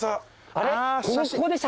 あれ？